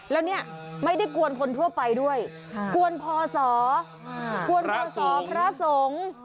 แล้วเนี่ยไม่ได้กวนคนทั่วไปด้วยกวนพศกวนพศพระสงฆ์